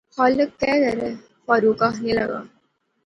خالق کہہ کرے، فاروق آخنے لاغا